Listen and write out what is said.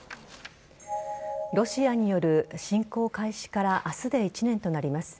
ロシアによる侵攻開始から明日で１年となります。